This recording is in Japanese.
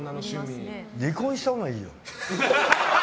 離婚したほうがいいよ。